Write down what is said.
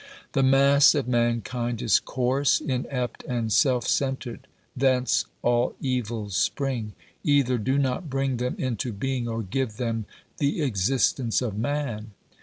The mass of mankind is coarse, inept and self centred; thence all evils spring. Either do not bring them into being or give them the existence of man.